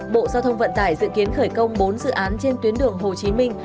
bộ giao thông vận tải dự kiến khởi công bốn dự án trên tuyến đường hồ chí minh